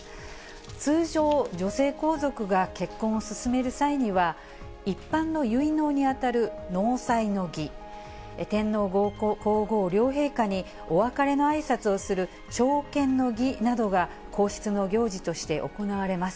通常、女性皇族が結婚を進める際には、一般の結納に当たる納采の儀、天皇皇后両陛下にお別れのあいさつをする、朝見の儀などが皇室の行事として行われます。